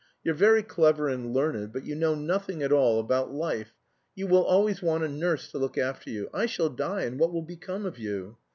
You're very clever and learned, but you know nothing at all about life. You will always want a nurse to look after you. I shall die, and what will become of you?